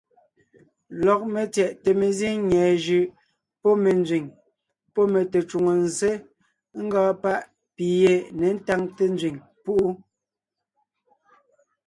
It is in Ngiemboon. Lɔg metyɛʼte mezíŋ nyɛ̀ɛ jʉʼ, pɔ́ me nzẅìŋ, pɔ́ me tecwòŋo nzsé ngɔɔn páʼ pi yé ně táŋte nzẅìŋ púʼu.